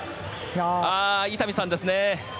伊丹さんですね。